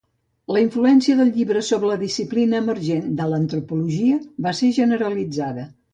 La influència del llibre sobre la disciplina emergent de l'antropologia va ser generalitzada.